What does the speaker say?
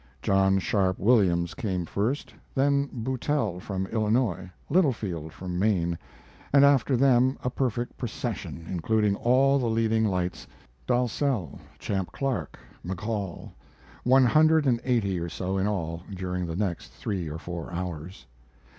John Sharp Williams came first, then Boutell, from Illinois, Littlefield, of Maine, and after them a perfect procession, including all the leading lights Dalzell, Champ Clark, McCall one hundred and eighty or so in all during the next three or four hours.